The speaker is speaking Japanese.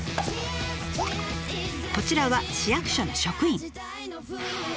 こちらは市役所の職員。